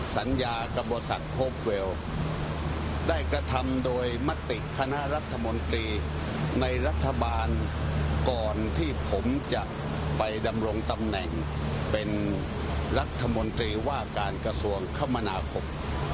สัญญากับบริษัทโคกเวลได้กระทำโดยมติคณะรัฐมนตรีในรัฐบาลก่อนที่ผมจะไปดำรงตำแหน่งเป็นรัฐมนตรีว่าการกระทรวงคมนาคม